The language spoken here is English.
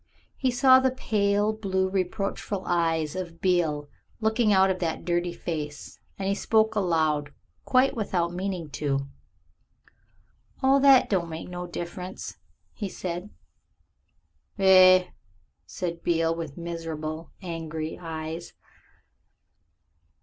He saw the pale blue reproachful eyes of Beale looking out of that dirty face, and he spoke aloud, quite without meaning to. "All that don't make no difference," he said. "Eh?" said Beale with miserable, angry eyes.